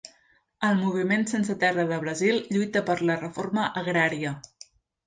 El Moviment Sense Terra de Brasil lluita per la reforma agrària.